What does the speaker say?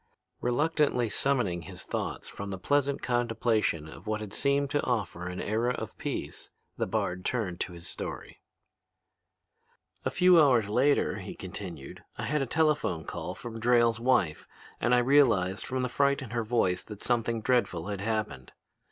Reluctantly summoning his thoughts from the pleasant contemplation of what had seemed to offer a new era of peace, the bard turned to his story. "A few hours later," he continued, "I had a telephone call from Drayle's wife, and I realized from the fright in her voice that something dreadful had happened.